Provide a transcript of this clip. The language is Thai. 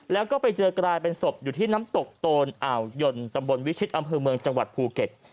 แล้วก็ไปเจอกลายเป็นศพอยู่ที่น้ำตกโตนอ่าวยนตำบลวิชิตอำเภอเมืองจังหวัดภูเก็ต